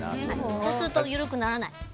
そうするとゆるくならない。